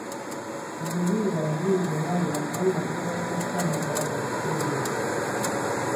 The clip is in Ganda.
Mu Lubiri abazinyi tebaawula kubanga kiraga butassaamu Kabaka Kitiibwa.